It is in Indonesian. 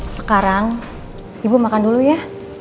sekarang ibu makan dulu ya